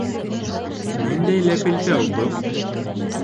Ниндәй ләпелдәү был?